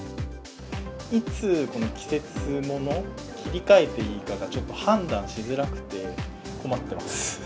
いつこの季節ものに切り替えていいかがちょっと判断しづらくて困ってます。